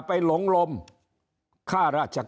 อย่าไปหลงลมข้าราชการ